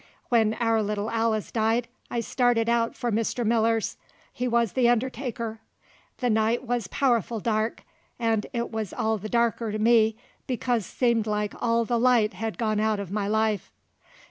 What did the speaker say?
When our little Alice died I started out for Mr. Miller's; he wuz the undertaker. The night wuz powerful dark, 'nd it wuz all the darker to me, because seemed like all the light hed gone out in my life.